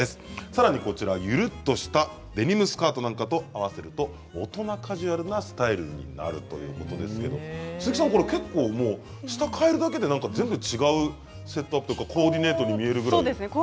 さらに、ゆるっとしたデニムスカートなんかと合わせると、大人のカジュアルなスタイルになるということですけれども鈴木さん、結構下を替えるだけで全部違うセットアップコーディネートに見えますね。